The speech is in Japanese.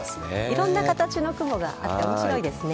いろんな形の雲があって面白いですね。